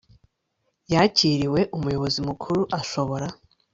yakiriwe umuyobozi mukuru ashobora